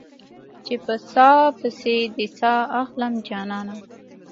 چې په ساه پسې دې ساه اخلم جانانه